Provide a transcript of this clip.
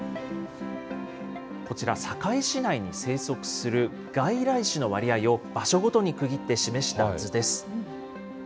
こちら堺市内に生息する外来種の割合を、場所ごとに区切って示した図です。